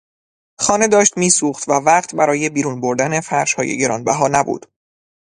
خانه داشت میسوخت و وقت برای بیرون بردن فرشهای گرانبها نبود.